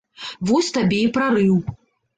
Вось табе і прарыў!